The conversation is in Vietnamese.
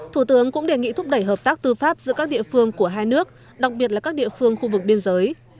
thủ tướng cũng đề nghị thúc đẩy hợp tác tư pháp giữa các địa phương của hai nước đặc biệt là các địa phương khu vực biên giới